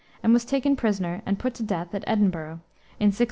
and was taken prisoner and put to death at Edinburgh in 1650.